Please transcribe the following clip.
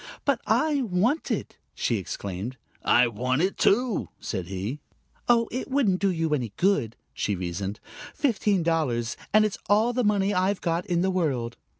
"But I want it!" she exclaimed. "I want it, too!" said he. "Oh, it wouldn't do you any good," she reasoned. "Fifteen dollars. And it's all the money I've got in the world!"